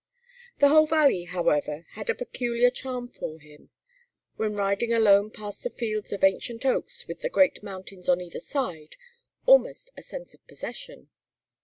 The whole valley, however, had a peculiar charm for him; when riding alone past the fields of ancient oaks with the great mountains on either side, almost a sense of possession.